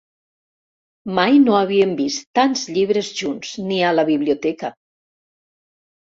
Mai no havien vist tants llibres junts, ni a la biblioteca.